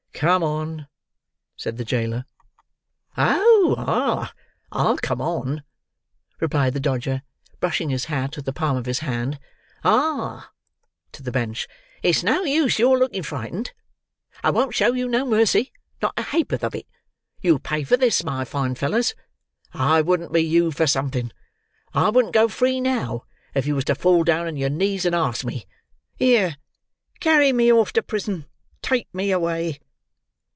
"Come on," said the jailer. "Oh ah! I'll come on," replied the Dodger, brushing his hat with the palm of his hand. "Ah! (to the Bench) it's no use your looking frightened; I won't show you no mercy, not a ha'porth of it. You'll pay for this, my fine fellers. I wouldn't be you for something! I wouldn't go free, now, if you was to fall down on your knees and ask me. Here, carry me off to prison! Take me away!"